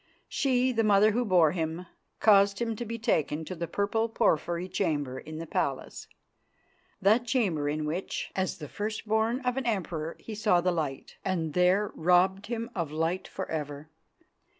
She, the mother who bore him, caused him to be taken to the purple Porphyry Chamber in the palace, that chamber in which, as the first born of an emperor, he saw the light, and there robbed him of light for ever.